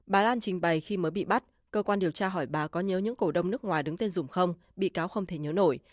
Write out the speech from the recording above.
bà lan trình bày khi mới bị bắt cơ quan điều tra hỏi bà có nhớ những cổ đông nước ngoài đứng tên dùng không bị cáo không thể nhớ nổi